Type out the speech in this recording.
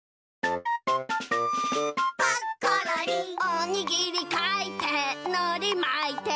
「おにぎりかいてのりまいて」